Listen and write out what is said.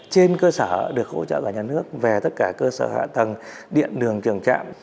trên cơ sở được hỗ trợ cả nhà nước về tất cả cơ sở hạ tầng điện đường trường trạm